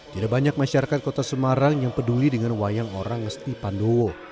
tidak banyak masyarakat kota semarang yang peduli dengan wayang orang ngesti pandowo